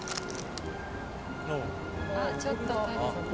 あっちょっと。